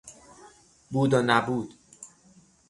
بود و نبود